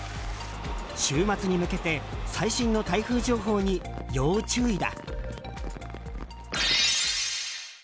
週末に向けて最新の台風情報に要注意だ。